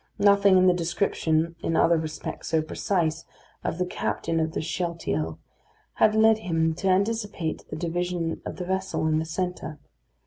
Nothing in the description, in other respects so precise, of the captain of the Shealtiel had led him to anticipate this division of the vessel in the centre.